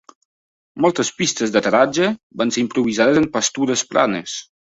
Moltes pistes d'aterratge van ser improvisades en pastures planes.